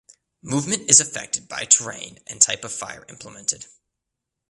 Movement is affected by terrain and type of fire implemented.